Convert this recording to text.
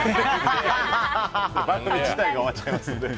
番組自体が終わっちゃいます。